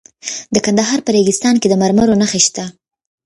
د کندهار په ریګستان کې د مرمرو نښې شته.